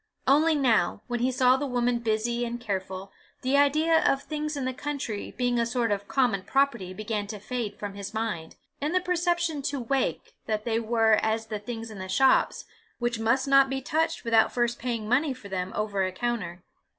Only now, when he saw the woman busy and careful, the idea of things in the country being a sort of common property began to fade from his mind, and the perception to wake that they were as the things in the shops, which must not be touched without first paying money for them over a counter.